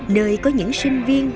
nơi có những sinh viên